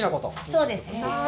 そうです。